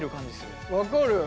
分かる！